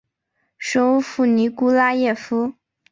首府尼古拉耶夫。